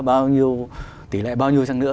bao nhiêu tỷ lệ bao nhiêu trăng nữa